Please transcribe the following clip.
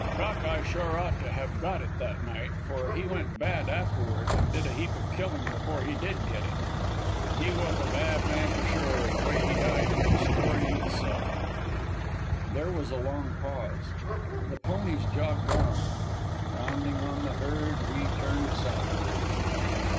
Cock eye sure ought to have got it that night, for he went bad afterward, and did a heap of killing before he did get it. He was a bad man for sure, and the way he died is a story in itself." There was a long pause. The ponies jogged on. Rounding on the herd, we turned southward.